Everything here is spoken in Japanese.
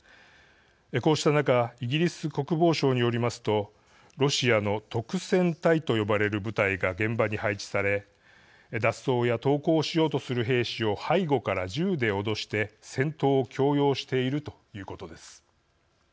こうした中イギリス国防省によりますとロシアの督戦隊と呼ばれる部隊が現場に配置され脱走や投降しようとする兵士を背後から銃で脅して戦闘を強要しているということです。